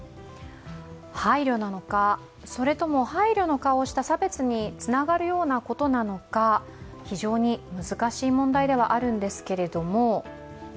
配慮なのか、それとも配慮の顔をした差別につながることなのか、非常に難しい問題ではあるんですけれども。